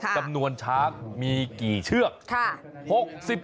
จำนวนช้างมีกี่เชือก